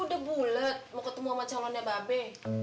lu udah bulet mau ketemu sama calonnya mbak be